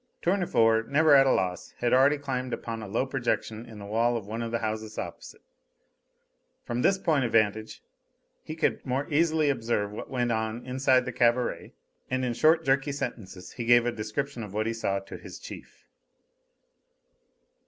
Tournefort, never at a loss, had already climbed upon a low projection in the wall of one of the houses opposite. From this point of vantage he could more easily observe what went on inside the cabaret, and in short, jerky sentences he gave a description of what he saw to his chief.